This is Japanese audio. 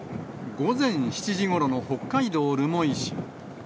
午前７時ごろの北海道留萌市。